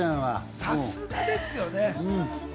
さすがですよね。